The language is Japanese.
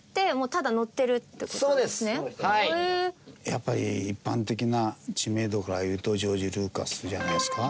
やっぱり一般的な知名度からいうとジョージ・ルーカスじゃないですか？